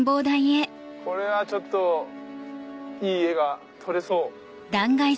これはちょっといい画が撮れそう。